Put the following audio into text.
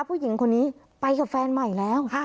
ผู้หญิงคนนี้ไปกับแฟนใหม่แล้ว